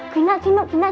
ginuk ginuk gitu mbak